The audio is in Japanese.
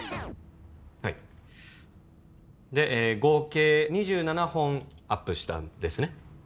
はいでえ合計２７本アップしたんですね？